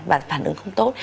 và phản ứng không tốt